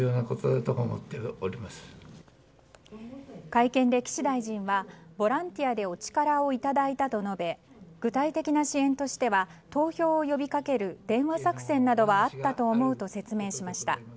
会見で岸大臣はボランティアでお力をいただいたと述べ具体的な支援としては投票を呼び掛ける電話作戦などはあったと思うと説明しました。